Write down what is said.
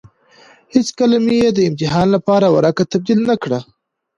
هېڅکله مې يې د امتحان لپاره ورقه تبديله نه کړه.